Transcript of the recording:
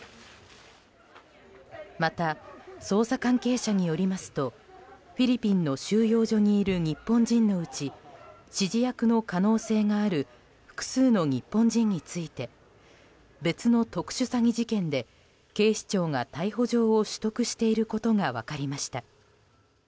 また、捜査関係者によりますとフィリピンの収容所にいる日本人のうち指示役の可能性がある複数の日本人について別の特殊詐欺事件で警視庁が逮捕状を取得していることが分かりました。